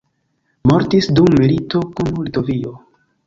Mortis dum milito kun Litovio.